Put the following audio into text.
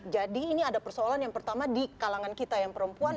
jadi ini ada persoalan yang pertama di kalangan kita yang perempuan